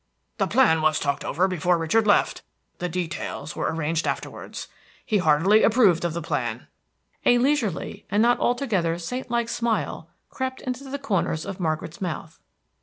"The plan was talked over before Richard left; the details were arranged afterwards. He heartily approved of the plan." A leisurely and not altogether saint like smile crept into the corners of Margaret's mouth.